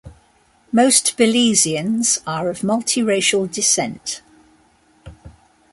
Most Belizeans are of multiracial descent.